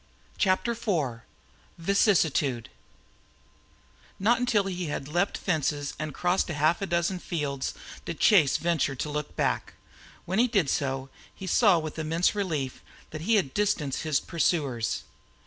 CHAPTER IV VICISSITUDE Not until he had leaped fences and crossed half a dozen fields did Chase venture to look back. When he did so, he saw with immense relief that he had distanced his pursuers.